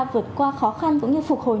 vượt qua khó khăn cũng như phục hồi